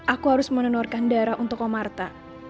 aku harus menonorkan darah untuk om arta